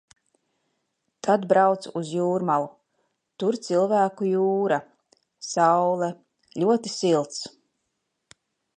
Tad braucu uz Jūrmalu. Tur cilvēku jūra. Saule, ļoti silts.